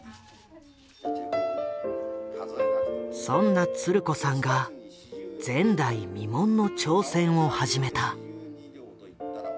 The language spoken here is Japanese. そんなつる子さんが前代未聞の挑戦を始めた。